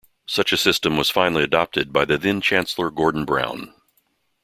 Such a system was finally adopted by the then Chancellor Gordon Brown.